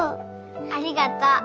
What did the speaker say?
ありがとう。